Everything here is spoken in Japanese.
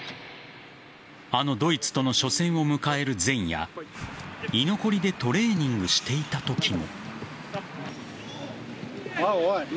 あのドイツとの初戦を迎える前夜居残りでトレーニングしていたときも。